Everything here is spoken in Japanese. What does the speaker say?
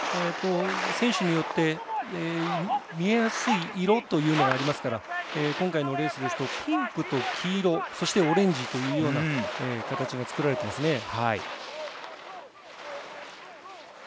選手によって見えやすい色というのがありますから今回のレースですとピンクと黄色オレンジというような形が作られてますね。